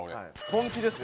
本気ですよ